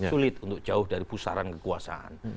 sulit untuk jauh dari pusaran kekuasaan